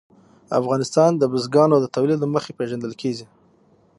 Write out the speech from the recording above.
افغانستان د بزګانو د تولید له مخې پېژندل کېږي.